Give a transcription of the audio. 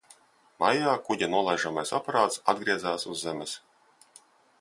Maijā kuģa nolaižamais aparāts atgriezās uz zemes.